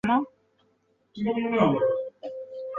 普拉邦雷波人口变化图示